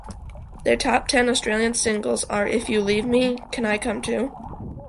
Their top ten Australian singles are If You Leave Me, Can I Come Too?